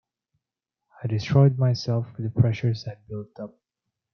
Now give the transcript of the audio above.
I destroyed myself with the pressures I'd built up.